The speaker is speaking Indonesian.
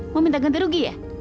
mau minta ganti rugi ya